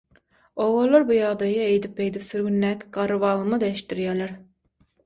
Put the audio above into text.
Obalylar bu ýagdaýy eýdip beýdip sürgündäki garry babama-da eştdirýäler.